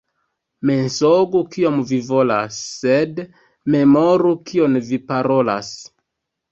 Mensogu kiom vi volas, sed memoru kion vi parolas.